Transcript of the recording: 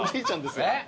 えっ？